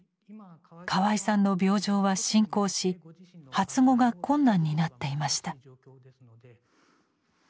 河合さんの病状は進行し発語が困難になっていました。